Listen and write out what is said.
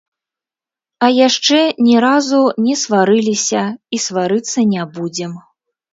А яшчэ ні разу не сварыліся і сварыцца не будзем.